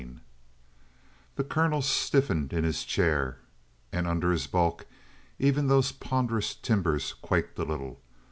8 The colonel stiffened in his chair, and under his bulk even those ponderous timbers quaked a little.